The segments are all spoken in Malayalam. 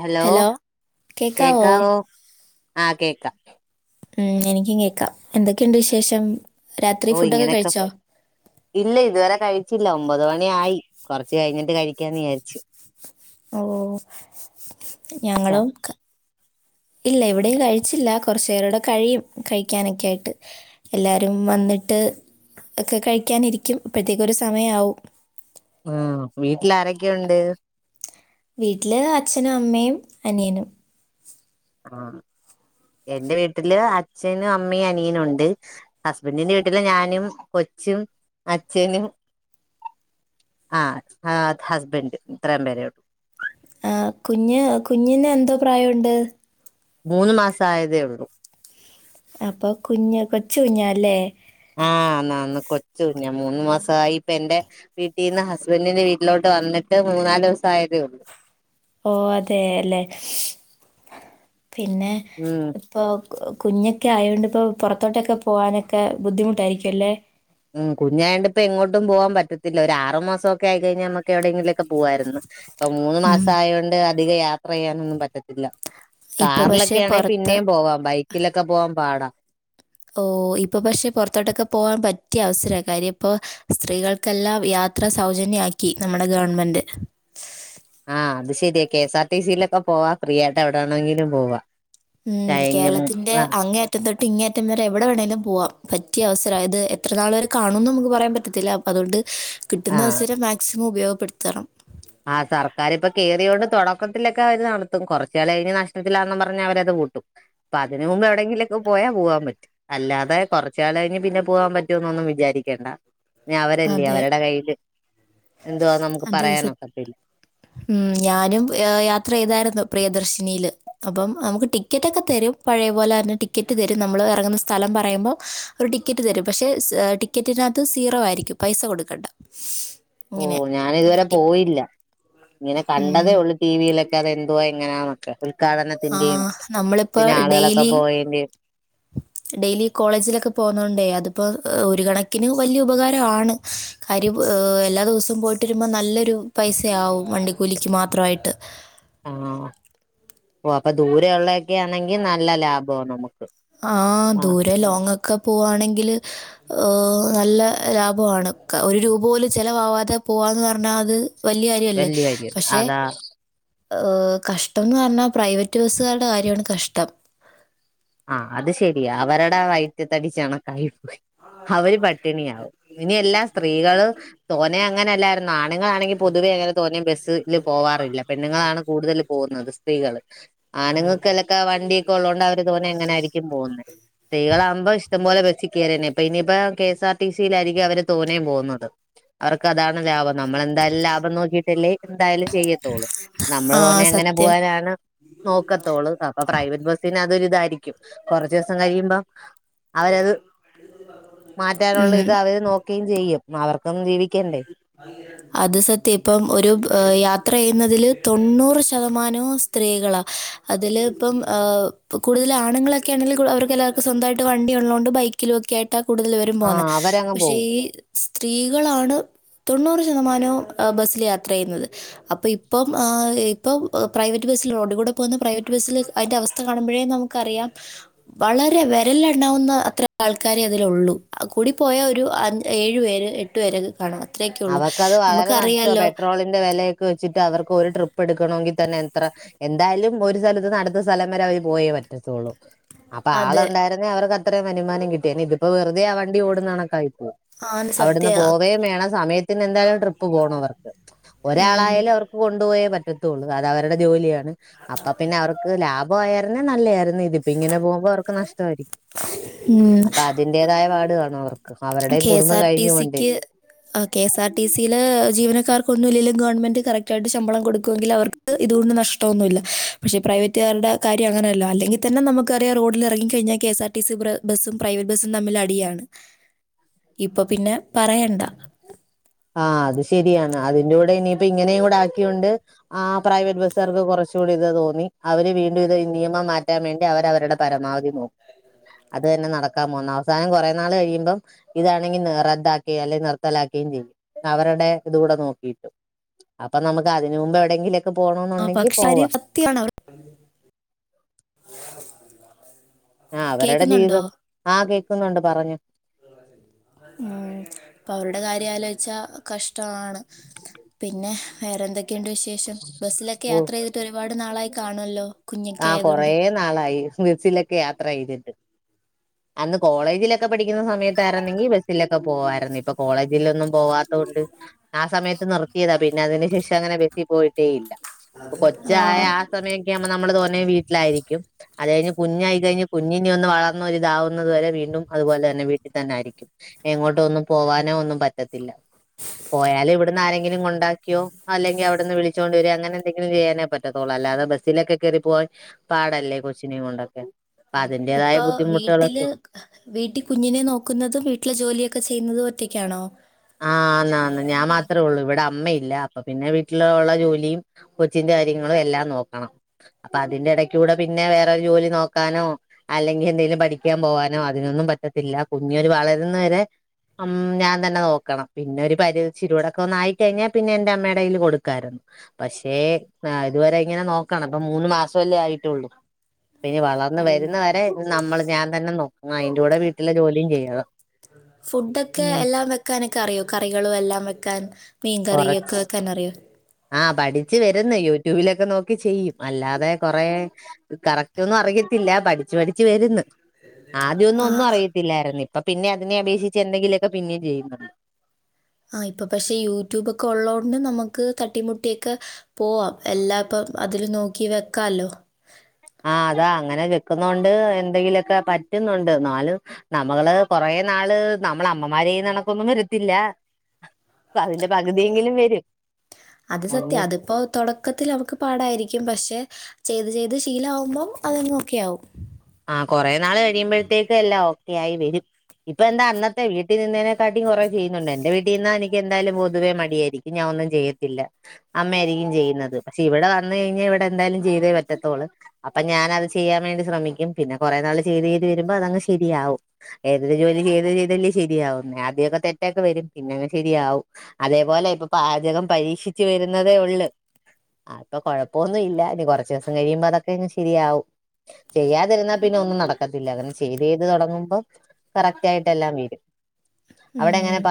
ഹലോ കേക്കാവോ ആ കേക്കാം. ഉം എനിക്കും കേക്കാം. എന്തൊക്കെയുണ്ട് വിശേഷം? രാത്രി ഓ ഫുഡൊക്കെ ഇങ്ങനെയൊക്കെ, കഴിച്ചോ ഇല്ല ഇതുവരെ കഴിച്ചില്ല ഒമ്പത് മണി ആയി. കൊറച്ച് കഴിഞ്ഞിട്ട് കഴിക്കാന്ന് വിചാരിച്ച് ഓ ച്ചാ ഞങ്ങളും ക [inaudible] ഇല്ല ഇവിടെയും കഴിച്ചില്ല, കുറച്ചേരം കൂടെ കഴിയും കഴിക്കാനൊക്കെ ആയിട്ട്, എല്ലാരും വന്നിട്ട് ഒക്കെ കഴിക്കാനിരിക്കും, അ പ്പഴത്തേക്ക് ഒരു സമയാവും. ലാരൊക്കെയുണ്ട്? വീട്ടില് അച്ഛനും അമ്മയും അനിയനും. ആ എന്റെ വീട്ടില് അച്ചനും, അമ്മയും, അനിയനും ഉണ്ട്. ഹസ്ബൻഡിന്റെ വീട്ടില് ഞാനും കൊ ച്ചും അച്ഛനും ആ ആ അത് ഹസ്ബെൻഡ് ഇത്രേം പേരെ ഒള്ളു. ആ, കുഞ്ഞ് കുഞ്ഞിന് എന്തോ പ്രായമുണ്ട് മൂന്ന് മാസായതേ ഉള്ളൂ അപ്പൊ കുഞ്ഞ് കൊച്ചു കുഞ്ഞാ ല്ലേ? ആ ന്നാ ന്ന് കൊച്ചുകുഞ്ഞാ. മൂന്ന് മാസായി ഇപ്പ എന്റെ വീട്ടീന്ന് ഹസ്ബൻഡിന്റെ വീട്ടിലോട്ട് വന്നിട്ട് മൂന്നാല് ദിവസായതേ ഉള്ളൂ. ഓ അതെ ല്ലെ പിന്നെ ഉം ഇപ്പൊ കു കുഞ്ഞൊക്കെ ആയോണ്ടിപ്പൊ പുറത്തോട്ടൊക്കെ പോകാനൊക്കെ ബുദ്ധിമുട്ടായിരിക്കുവല്ലെ? ഉം കുഞ്ഞായോണ്ട് ഇപ്പ എങ്ങോട്ടും പോവാൻ പറ്റത്തില്ല. ഒരു ആറുമാസവൊക്കെ ആയി കഴിഞ്ഞാൽ നമുക്ക് എവിടെയെങ്കിലുമൊക്കെ പോവായിരുന്ന്. ഇപ്പൊ മൂന്ന് ഉം മാസം ആയോണ്ട് അധികം യാത്ര ചെയ്യാനൊന്നും പറ്റത്തില്ല. ഇപ്പൊ പക്ഷെ കാറിലൊക്കെയാണെ പുറത്ത് പിന്നെയും പോവാം. ബൈക്കിലൊക്കെ പോവാൻ പാടാ ഓ ഇപ്പൊ പക്ഷെ പൊറത്തോട്ടൊക്കെ പോകാൻ പറ്റിയ അവസരാ കാര്യം ഇപ്പൊ സ്ത്രീകൾക്കെല്ലാം യാ ത്ര സൗജന്യാക്കി നമ്മുടെ ഗവർണ്മെന്റ്. ആ അത് ശരിയാ കെഎസ് ആർ ടി സിയിലൊക്കെ പോവാ ഫ്രീ ആയിട്ട് എവിടെവേണെങ്കിലും പോവാ. ഉം കഴിഞ്ഞ കേരളത്തിന്റെ ആഹ് അങ്ങേയറ്റം തൊട്ട് ഇങ്ങേ അറ്റം വരെ എവിടെ വേണേലും പോവാം. പറ്റിയ അവസരാ അതായത്, എത്ര നാൾ വരെ കാണുംന്ന് നമുക്ക് പറയാൻ പറ്റത്തില്ല. അപ്പോ അതുകൊണ്ട് കിട്ടുന്ന അവസരം മാക്സിമം ഉപയോഗപ്പെടുത്തണം ആഹ സർക്കാരിപ്പൊ കയറിയോൊണ്ട് തുടക്കത്തിലൊക്കെ അവര് നടത്തും കുറച്ച് കലം കഴിഞ നഷ്ടത്തിലാന്നെന്നും പറഞ്ഞഞ് അവരത് പുട്ടും അപ്പൊ അതിനന് മുമ്പ് എവിടെെങ്കിലും ഒക്കെ പോയാ പോവാൻ പറ്റും അല്ലാതെ കുറച്ച കല കഴിഞ്ഞ് പിന്ന പോവാൻ പറ്റോ ന്നും വിചാരിക്കണ്ട അവരല്ലേ അതെ അവരുടെ കൈ എന്തുവാ നമുക്ക് അതെ പറയാണം സത്യം ഉം ഞാനും യാത്ര ചെയ്തായിരുന്നു പ്രിയദർശിനിയില് അപ്പം നമുക്ക് ടിക്കറ്റ് ഒക്കെ തരും പഴേ പോലെ ടിക്കറ്റ് തരും നമ്മൾ ഇറങ്ങുന്ന സ്ഥ സ്ഥലം പറയുമ്പോൾ അവര് ടിക്കറ്റ് തരും പക്ഷെ ടിക്കറ്റിനകത്ത് സീറോ ആയിരിക്കും പൈസ കൊടുക്കടണ്ട ഓ ഞാന ഇതുവരെ പോയില്ല ഇങ്ങനെ കണ്ടതേ ഉം, ഉള്ളൂ ടി വിയിലൊക്കെ തെന്തുവ എങ്ങനാന്നൊക്കെ ഉദ്ഘാടനത്തിന്റെയും ആഹ നമ്മളിപ്പ പിന്നെ ആളുകളൊക്കെ ഡെയിലി പോയേന്റെയും ഡെയിലി കോളേജിലൊക്കെ പോവുന്നോണ്ടേ അതും ഇപ്പോൾ ഒരു കണക്കിന് വലിയ ഉപകാരമാണ് കാര്യം എല്ലാ ദിവസവും പോയിട്ട് വരുമ്പോൾ നല്ലൊരു പൈസയാവും വണ്ടിക്കൂലിക്ക് മാത്രമായിട്ട് ആഹ് ഓ അപ്പൊ ദൂര ഉള്ളൊക്കെ ആണെങ്കിൽ നല്ല ലാഭോ നമുക്ക് ആഹ ആഹ് ദൂരെ ലോങ് ഒക്കെ പോവുകവാണെങ്കിൽ നല്ല ലാഭമാണ് ഒരു രൂപ പോലും ചിലവാവാതെ പോവാന്ന് പറഞ്ഞാ അത് വലിയ കാര്യല്ലേ വല്യ കാര്യം പക്ഷെ അതാ ഏ കഷ്ടംന്ന് പറഞ്ഞാ പ്രൈവറ്റ് ബസ്സുകളുടെ കാര്യമാണ് കഷ്ടം ആഹ് അത് ശരിയാ അവരുടെ വയറ്റത്തടിച്ചണകണക്കായി പോയി അവര് പട്ടിണിയാവും ഇനി എല്ലാം സ്ത്രീകള് തോനെ അങ്ങനെല്ലരുന്നു ആണുങ്ങാണെങ്കിൽ പൊതുവെ തോന്നിയ ബസ്ൽ പോവാറില്ല പെണ്ണുങ്ങളാണ് കൂടുതൽ പോകുന്നത് സ്ത്രീകള് ആനങ്ങൾക്കലൊക്കെ വണ്ടിയൊക്കെ ഉള്ളതോണ്ട് എങ്ങനരിക്കും പോന് സ്ത്രകളാകുമ്പോ ഇഷ്ടം പോലെ ബസ്സി കയറിന്നെ ഇപ്പ ഇനിയിപ്പോ കെ എസ് ആർ ടി സിയിലായിരിക്കും അവര് തോന്നേയും പോകുന്നത് അവർക്ക് അതാണ് ലാഭം നമ്മളെ എന്തായാലും ലാഭം നോക്കിയിട്ടല്ലേ എന്തായാലും ചെയ്യത്തുള്ളൂ നമ്മള് ആ തോന്നെ എങ്ങനെ സത്യം പോവാനാണ് നോക്കത്തോളൂ അപ്പൊ പ്രൈവറ്റ് ബസ്സന് അതൊരി ഇതായിരിക്കും കുറച്ച ദിവസം കഴിയുമ്പ അവരത് മാറ്റാനുള്ള ഇത് ഉം അവര് നോക്കുകയും ചെയ്യും അവർക്കൊന്നും ജീവി അത് സത്യം ഇപ്പം ഒരു യാത്ര ചെയ്യുന്നതില് തൊണ്ണൂറ് ശതമാനവും സ്ത്രീകളാ അതില് ഇപ്പം കൂടുതൽ ആണുങ്ങളൊക്കെയാണ് അവർ എല്ലാവർകും സ്വന്തട്ട് വണ്ടി ഉള്ളത കൊണ്ട് ബൈക്കിലൊക്കെ ആ ഇട്ട കൂടുതൽ പരും പോകുന്ന ആഹ് അവരങ്ങ് പക്ഷെ പോവും ഈ സ്ത്രീകളാണ് തൊണ്ണൂറ് ശതമാനവും ബസ്സിൽ യാത്ര ചെയ്യുന്നത് അപ്പൊ ഇപ്പം ഇപ്പ പ്രൈവറ്റ് ബ പോന്ന പ്രൈവറ്റ് ബ അതി അവസ്ഥ കാണുമ്പഴേ നമുറിയാം വളരെ വിരലിൽ എണ്ണ അത്ര ആൾക്കാരെ അതിലുള്ളൂ കൂടി പോയ ഒരു ഏഴു പേര് എട്ടു പേരക്കെ കാണ അവർക്കത് വളരെ നഷ്ടമാണ് പെട്രോളിന്റെ വിലയൊക്കെ വെച്ചിട്ട് അവർക്ക് ഒരു ട്രിപ്പ് എടുക്കണമെങ്കിൽ തന്നെ എത്ര എന്തായാലും ഒരു സ്ഥലത്ത് നടത്ത സ്ഥലം വരെ അവര് പോയേ പറ്റു പറ്റത്തുള്ളൂ അപ്പൊ ആള അതെ ഉണ്ടായിരുന്നേ അവർ അത്രയും വനുമാനം കിട്ടിയ ഇതിപ്പോ വെറതെ ആ വണ്ടി ഓടുന്നാണക്കായി ആണ് അവിടുന്ന് സത്യ പോവേം വേണം സമയത്തിന് എന്തായാലും ട്രിപ്പ് പോകണ. അവർക്ക് ഒരാളായാലും അവർക്ക് കൊണ്ടുപോയേ പറ്റ റ്റത്തുള്ളൂ അത് അവരുടെ ജോലിയാണ് അപ്പൊ പിന്നെ അവർക്ക് ലാഭ പോയരുന്നേ നല്ലായി ഇതിപ്പ ഇങ്ങനെ പോകുമ്പോ അവർക്ക് നഷ്ടമായിരിക്കും അപ്പൊ അതിന്റേതായ പാട് കാണു അവർ കെ എസ് ആർ ടി സിക്ക് കെ എസ് ആർ ടി സിൽ ജീവനാർക്കൊന്നും ഇല്ലങ്കിൽ ഗവൺമെന്റ് കറക് ആയിട്ട് ശമ്പളം കൊടുക്ക ടങ്കിൽ അവർക്ക്തൊണ്ട് നഷ്ടംഒന്നുമില്ല പക്ഷെ പ്രൈവറ്റുകാരുടെ കരൃം അങ്ങനെയല്ലോ അല്ലെങ്കിൽ തന്നെ നമുക്കറാം റോഡിറങ്ങി കഴിഞ്ഞാൽ എസ് ആർടിസി ബ പ്രൈവറ്റ് ബസ്സും തമ്മിൽ അടിയാണ് ഇപ്പൊ പിന്നെ പറയണ്ട ആ അത് ശെരിയാണ് അതിന്റൂടെ ഇനീപ്പോ ഇങ്ങനേം കൂടെ ആക്കിയൊണ്ട് ആ പ്രൈവറ്റ് ബസ്സ്കാർക്ക് കൊറച്ചൂടി തോന്നി അവര് വീണ്ടും ഇത് നിയമം മാറ്റാൻ വേണ്ടി അവരവര്ടെ പരമാവധി നോക്കു അത് തന്നെ നടക്കാൻ പോക്ന്നെ, അവസാനം കൊറേ നാൾ കഴിയുമ്പം ഇതാണെങ്കി റദ്ദാക്കയും അല്ലെ നിർത്തലാക്കയും ചെയ്യും. അവര്ടെ ഇതൂടെ നോക്കിട്ടു, അപ്പൊ നമുക്ക് അതിന് മുമ്പ് എവിടെങ്കിലൊ ആ പോണോന്നുണ്ടെങ്കീ പക്ഷെ പോവാ കാര്യം സത്യമാണ് അവർ ആ അവരടെ കേൾക്കുന്നുണ്ടോ ജീവിതം, ആ കേക്കുന്നുണ്ട് പറഞ്ഞോ ഉം പ്പൊ അവരുടെ കാര്യാലോയിച്ചാ കഷ്ടവാണ്. പിന്നെ വേറെന്തൊക്കെണ്ട് വിശേ ശേഷം ബസ്സിലൊക്കെ ഓ യാത്ര ചെയ്തിട്ട് ഒരുപാട് നാളായി കാണുവല്ലോ, കുഞ്ഞൊക്കൊ ആയതൊണ്ട്. ക്കെ യത്രേ യിരുന്നെങ്കി ബസിലൊക്കെ [unintelligible] ബസിലൊക്കെ പോവായിർന്ന്, ഇപ്പൊ കോളേജിലൊന്നും പോവാത്തോണ്ട് ആ സമയത്ത് നിർത്തിയതാ, പിന്നതിനു ശേഷങ്ങനെ ബെസ്സീ പോയിട്ടേ ഇല്ല. പ്പൊ കൊച്ചായ ആ സമയൊക്ക്യാകുമ്പോ നമ്മള് തോന്നേ വീ ലായിരിക്കും. അത് കഴിഞ്ഞ് കുഞ്ഞായിക്കഴിഞ്ഞ് കുഞ്ഞിനെ ഒന്ന് വളർന്ന് താവുന്നതു വരെ വീണ്ടും അതുപോലെ തന്നെ വീട്ടിൽ തന്നായിരിക്കും, എങ്ങോട്ടൊന്നും പോവാനോ ഒന്നും പറ്റത്തി പോയാല് ഇവിടുന്ന് ആരെങ്കിലും കൊണ്ടാക്കിയോ അല്ലെങ്കീ അവിടുന്ന് വിളിച്ചോണ്ട് വരേ അങ്ങനെന്തെങ്കിലും ചെയ്യാനേ പറ്റത്തോ അല്ലാതെ ബെസ്സിലൊക്കെ കയറി പോവാ പാടല്ലേ കൊച്ചിനേം കൊണ്ടൊക്കെ അപ്പ അതിന്റേതായ ബുദ്ധിമു ട്ടില് വീട്ടീ കുഞ്ഞിനെ നോക്കുന്നതും വീട്ട്ലെ ജോലിയൊക്കെ ചെയ്യുന്നതും ഒറ്റയ്ക്കാണോ? ആ ന്ന ഞാൻ മാത്രേള്ളൂ ഇവടെ അമ്മയില്ല അപ്പൊ പിന്നെ വീട്ടിലൊള്ള ജോലിയും കൊച്ചിന്റെ കാര്യങ്ങളും എല്ലാം നോക്കണം ന്തേലും പഠിക്കാൻ പോവാനോ അതിനൊന്നും പറ്റത്തില്ല, കുഞ്ഞ ക്കണം പിന്നെ ഒരു പരി ച്ചിരൂടൊക്കൊന്നായിക്കഴിഞ്ഞാ പിന്നെ എന്റെ അമ്മേടെയ്ൽ കൊടുക്കായിര്ന്ന് പശേ ആ ഇതുവരെ ഇങ്ങനെ നോക്കണം, ഇപ്പം മൂന്ന് മാസവല്ലേ ആയിട്ടുള്ളൂ. പിന്നീ വളർന്ന് ഓ വര്ന്ന ഫുഡ് ഒക്കെ എല്ലാം വെക്കാനെക്ക റിയോ കൊറച്ച് ആ പഠിച്ച് വരുന്ന് യൂട്യൂബി ഇലൊക്കെ നോക്കി ചെയ്യും, അല്ലാതെ കൊറേ കറക്റ്റ് ഒന്നും അറിയത്തില്ല പഠിച്ചു പഠിച്ച് വര്ന്ന് ആദ്യൊന്നും ഒന്നും ആ അറിയത്തില്ലായിര്ന്ന് പ്പൊ പിന്നെ അതിനെ അപേഷിച്ച് എന്തെങ്കിലൊക്കെ പിന്നെയും ചെയ്യെന്നു ആ ഇപ്പ പക്ഷെ യൂട്യൂബൊക്കെ ഒള്ളോണ്ട് നമ്മക്ക് തട്ടിമുട്ടീയൊക്കെ പോവാം എല്ലാ ഇപ്പ അതില് നോക്കി വെക്കാല്ലോ ആ അതാ അങ്ങനെ വെക്കുന്നോണ്ട് എന്തെങ്കിലൊക്കെ പറ്റ്ന്നൊണ്ട് ന്നാലും നമ്മള് കൊറേ നാള് നമ്മളമ്മാരെയുന്നണക്കൊന്നും വരത്തില്ല അതിന്റെ പകുതിയെങ്കിലും വെരും അത് സത്യം, അതിപ്പോ തൊടക്കത്തിൽ അമക്ക് പാടായിരിക്കും പശെ ചെയ്ത് ചെയ്ത് ശീലാവുമ്പം അതങ്ങ് ഓക്കെയാവും. ആ കൊറെ നാൾ കഴിയുമ്പഴത്തേക്ക് എല്ലാ ഓക്കെ ആയി വെരും. ഇപ്പ എന്താ അന്നത്തെ വീട്ടിൽ നിന്നേനെ [unintelligible] കൊറേ ചെയ്യുന്നുണ്ട് എന്റെ വീ ട്ടിന്ന എനിക്കെന്തായാലും പൊതുവേ മടിയായിരിക്കും ഞാ ഒന്നും ചെയ്യത്തില്ല അമ്മയാരിക്കും ചെയ്യുന്നത് പക്ഷെ ഇവടെ ന്ന് കഴിഞ്ഞാ ഇവടെ എന്തായാലും ചെയ്തേ പറ്റത്തൊള്ള്, അപ്പൊ ഞാനത് ചെയ്യാൻ വേണ്ടി ശ്രമിക്കും. പിന്നെ കൊറേ നാള് ചെയ്ത് ചെയ്ത് വരുമ്പോ അതങ്ങ് ശെരിയാവും, ഏതൊരു ജോലി ചെയ്ത് ചെയ്തല്ലേ ശരിയാവാ ആദ്യവൊ തെറ്റൊക്കെ വരും പിന്നങ്ങ് ശെരിയാവും, അതേപോലെ ഇപ്പൊ പാചകം പരീഷിച്ച് ആ അപ്പൊ കൊഴപ്പൊവെന്നുവില്ല ഇനി കൊറച്ചിവസം കഴിയുമ്പോ അതൊക്കെ അങ്ങ് ശെരിയാവും തിർന്ന ഉം..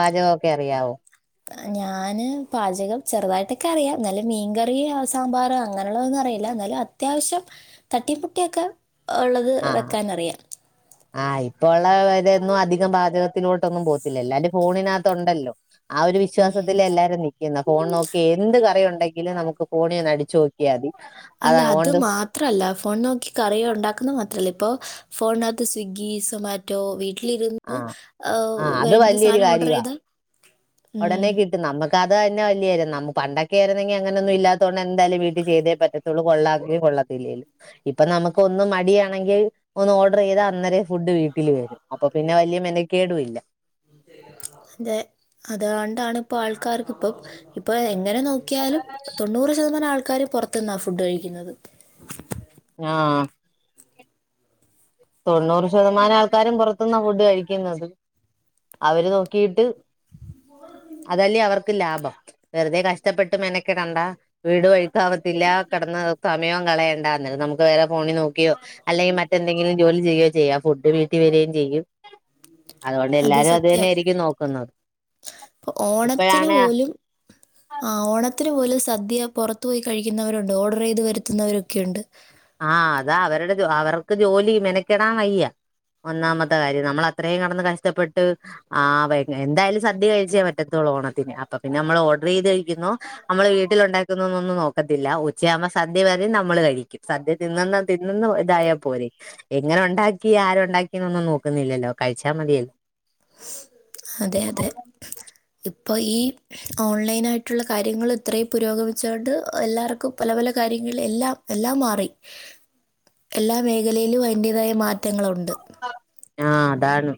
ഞാന് പാചകം ചെറുതായിട്ടൊക്കെ അറിയാം ന്നാലും മീൻകറി ആ സാമ്പാർ അങ്ങനെള്ളതൊന്നും അറീയ്ല ന്നാലും [unintelligible] ആ ഒന്നും അധികം പാചകത്തി ആ ഒരു ഉം. വിശ്വാസത്തില എല്ലാരും നിക്കുന്നെ ഫോൺ നോക്കി എന്ത് കറി ഉണ്ടെങ്കിലും നമുക്ക് ഫോണിൽ ഒന്ന് അടിച്ചു നോക്കിയൽ മതി അല്ല അതാ അത് ഓണ്ട് മാത്രല്ല ഫോൺ നോക്കി കറിയുണ്ടാക്കുന്ന മാത്രല്ല ഇപ്പോ ഫോണിനകത്ത് സ്വിഗ്ഗി സൊമാറ്റോ വീ വീട്ടിലിരുന്ന് ആഹ് ആ ആഹ് വേണ്ട സാനം ഓഡറൈത് ഒടനെ കിട്ടും നമ്മക്ക അത് തന്നെ വല്യാര്യം നമു പണ്ടൊക്കെയിരുന്നെങ്കി അങ്ങനൊന്നും ഇല്ലാത്തോണ്ട് എന്തായാലും വീട്ടിചെയ്തേ പറ്റത്തുള്ളൂ കൊള്ളവെങ്കിലും കൊള്ള [unintelligible] ഇപ്പ നമുക്ക് ഒന്ന് മടിയാണെങ്കിൽ ഒന്ന് ഓഡറ് ചെയ്താ അന്നേരെ ഫുഡ് വീ ട്ടിൽ വരും അപ്പൊ പിന്നെ വല്യ മെനകേടുംല്ല അതെ അത്കൊണ്ടാണ് ഇപ്പോ ആൾക്കാർക്ക് ഇപ്പൊ ഇപ്പൊ എങ്ങനെ നോക്കിയാലും തൊണ്ണൂറ് ശതമാനം ആൾക്കാരും പൊറത്ത്ന്നാ ഫുഡ് കഴിക്കുന്നത് ആഹ് തൊണ്ണൂറ് ശതമാനം ആൾക്കാരും പൊറത്ത്ന്നാ ഫുഡ് കഴിക്കുന്നത് അവര് നോക്കീട്ട് അതല്ലേ അവർക്ക് ലാഭം വെറുതെ കഷ്ടപ്പെട്ട് മെനക്കെടണ്ട വീട് ഒഴുക്കാ വത്തില്ല കെടന്ന [unintelligible] സമയോം കളയണ്ട അന്നേരം നമുക്ക് വേറെ ഫോണിൽ നോക്കിയോ അല്ലെങ്കിൽ മറ്റെന്തെങ്കി എങ്കിലും ജോലി ചെയോ ചെയ്യ ഫുഡ് വീട്ടി വര്യയും ചെയ്യും അതുകൊണ്ട് എല്ലാരും അത് തന്നെ ആയിരിക്കും നോക്കുന്നത് അപ്പ ഓണത്തിന് ഇപ്പോഴാണ് പോലും ആ ഓണത്തിന് പോലും സദ്യ പൊറത്തോയി കഴിക്കുന്നവരുണ്ട് ഓഡറൈയ്ത് വരുത്തുന്നവരൊക്കെയുണ്ട് ആഹ് അതാ അവരുടെ ജോ അവർക്ക് ജോലി മെനക്കെടാം വയ്യ ഒന്നാമത്തെ കാര്യം നമ്മളത്രേയും കെടന്ന് കഷ്ടപ്പെട്ട് ആ പ എന്തായാലും സദ്യ കഴിച്ച പറ്റത്തുള്ളൂ ഓണത്തിന് അപ്പൊ പിന്നെ നമ്മളോഡറൈയ്ത് [unintelligible] നമ്മള് വീട്ടിലു ണ്ടാക്കുന്നൊന്നും നോക്കത്തില്ല ഉച്ചയാവുമ്പോൾ സദ്യ വരും നമ്മള് കഴിക്കും സദ്യ തിന്നന്ന തിന്നന്ന ഉ ഇതായാ പോരെ എങ്ങനെ ഉണ്ടാക്കി ആരുണ്ടാക്കി എന്നൊന്നും നോക്കുന്നില്ലല്ലോ കഴിച്ചാ മതിയ അതെ അതെ ഇപ്പോ ഈ ഓൺലൈനായിട്ടുള്ള കാര്യങ്ങള് ഇത്രയും പുരോഗമിച്ചോണ്ട് എല്ലാർക്കും പല പല കാര്യങ്ങൾ എല്ലാം എല്ലാം മാറി എല്ലാ മേഖലയിലും അയിന്റേതായ മാറ്റങ്ങളുണ്ട് ആ ആഹ് അതാണ്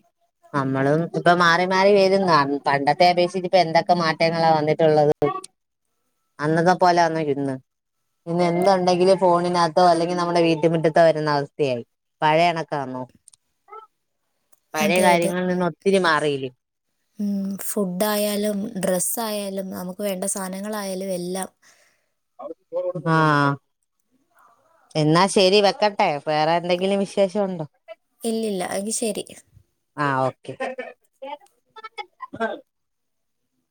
നമ്മളും ഇപ്പ മാറി മാറി വരുന്ന് അന്ന് പണ്ടത്തെ അപേക്ഷിച്ച് ഇപ്പ എന്തൊക്കെ മാറ്റങ്ങളാ വന്നിട്ടുള്ളത് അന്നത്തെ പോലെ ആന്നോ ഇന്ന് ഇന്ന് എന്തുണ്ടെങ്കിലും ഫോണിനകത്തോ അല്ലെങ്കി നമ്മുടെ വീട്ട് മുറ്റത്തോ വരുന്ന അവസ്ഥയായി പഴയ ഇണക്കാന്നോ പഴയ കാര്യങ്ങൾ നിന്ന് ഒത്തിരി മാറിയില്ലേ ഉം ഫുഡ് ആയാലും ഡ്രസ്സായാലും നമുക്ക് വേണ്ട സാനങ്ങളായാലും എല്ലാം [unintelligible] ആ എന്നാ ശരി വെക്കട്ടെ വേറെ എന്തെങ്കിലും വിശേഷുണ്ടോ ഇല്ലില്ല എക്കി ശെരി ആ ഓക്കെ